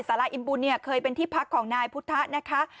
สาระอิ่มบุญเนี่ยเคยเป็นที่พักของนายพุทธะนะคะ